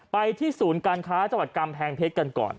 ไปที่ศูนย์การค้าจังหวัดกำแพงเพชรกันก่อน